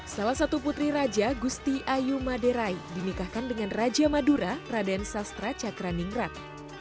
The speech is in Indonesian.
salah satu putri raja gusti ayu maderai dinikahkan dengan raja madura raden sastra cakraningrat